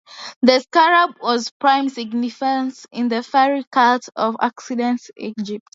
The scarab was of prime significance in the funerary cult of ancient Egypt.